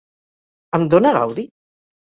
Em dóna gaudi?